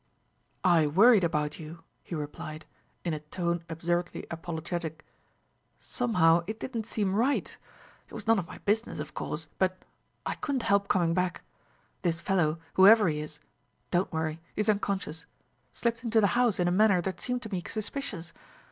"I worried about you," he replied, in a tone absurdly apologetic. "Somehow it didn't seem right. It was none of my business, of course, but ... I couldn't help coming back. This fellow, whoever he is don't worry; he's unconscious slipped into the house in a manner that seemed to me suspicious.